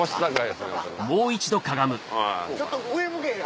ちょっと上向けへん？